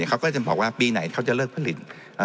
เขาก็จะบอกว่าปีไหนเขาจะเลิกผลิต